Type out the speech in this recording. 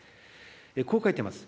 こう書いてます。